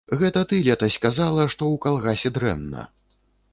Гэта ты летась казала, што ў калгасе дрэнна.